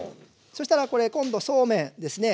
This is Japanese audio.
そしたらこれ今度そうめんですね。